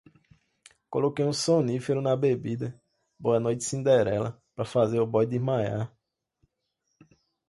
Coloquei um sonífero na bebida, boa noite cinderela, para fazer o boy desmaiar